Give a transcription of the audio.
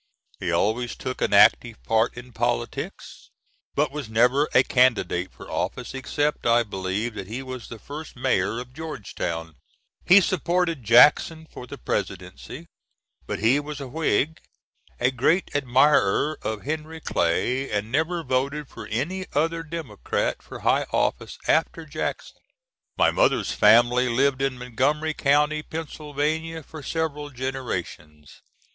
He always took an active part in politics, but was never a candidate for office, except, I believe, that he was the first Mayor of Georgetown. He supported Jackson for the Presidency; but he was a Whig, a great admirer of Henry Clay, and never voted for any other democrat for high office after Jackson. My mother's family lived in Montgomery County, Pennsylvania, for several generations.